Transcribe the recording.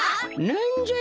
なんじゃ？